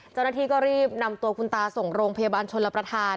เจ้าหน้าที่ก็รีบนำตัวคุณตาส่งโรงพยาบาลชนรับประทาน